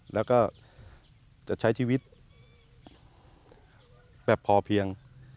แล้วก็จะใช้ชีวิตแบบพอเพียง